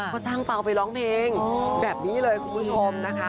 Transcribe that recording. ก็จ้างเปล่าไปร้องเพลงแบบนี้เลยคุณผู้ชมนะคะ